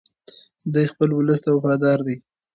دی خپل ولس ته وفادار دی.